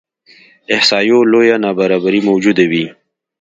احصایو لویه نابرابري موجوده وي.